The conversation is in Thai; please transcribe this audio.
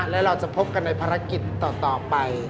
และเราจะพบกันในภารกิจต่อไป